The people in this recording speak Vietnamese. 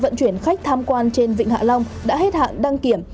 vận chuyển khách tham quan trên vịnh hạ long đã hết hạn đăng kiểm